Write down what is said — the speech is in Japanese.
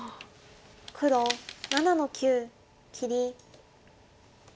黒７の九切り。